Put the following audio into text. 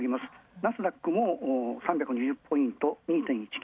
ナスダックも３２０ポイント。